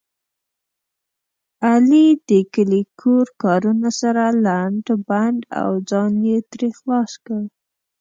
علي د کلي کور کارونه سره لنډ بنډ او ځان یې ترې خلاص کړ.